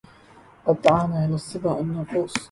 قد دعانا إلى الصبا الناقوس